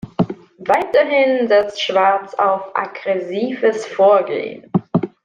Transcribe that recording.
Weiterhin setzt Schwarz auf aggressives Vorgehen.